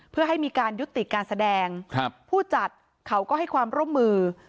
เพื่อให้มีการยุติการแสดงผู้จัดเขาก็ให้ความร่วมมือ